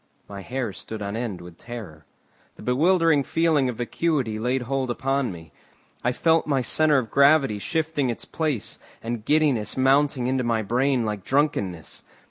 My hair stood on end with terror. The bewildering feeling of vacuity laid hold upon me. I felt my centre of gravity shifting its place, and giddiness mounting into my brain like drunkenness.